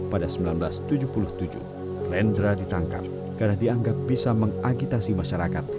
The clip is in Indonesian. pada seribu sembilan ratus tujuh puluh tujuh lendra ditangkap karena dianggap bisa mengagitasi masyarakat